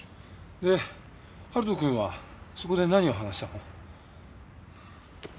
で晴人くんはそこで何を話したの？